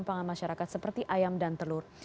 pangan masyarakat seperti ayam dan telur